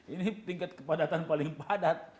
ini tingkat kepadatan paling padat